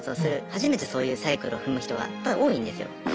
初めてそういうサイクルを踏む人がやっぱ多いんですよ。